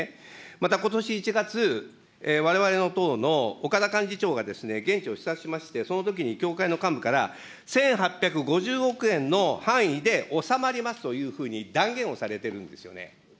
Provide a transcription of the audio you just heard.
またことし１月、われわれの党の岡田幹事長が現地を視察しまして、そのときに協会の幹部から、１８５０億円の範囲で収まりますというふうに、断言をされてるんですよね。